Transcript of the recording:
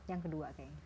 yang kedua kayaknya